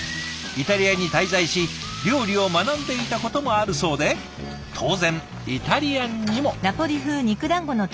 イタリアに滞在し料理を学んでいたこともあるそうで当然イタリアンにも。